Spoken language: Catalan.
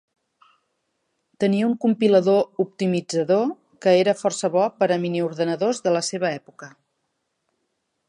Tenia un compilador optimitzador que era força bo per a miniordinadors de la seva època.